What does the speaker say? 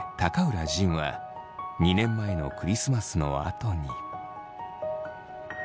仁は２年前のクリスマスのあとに。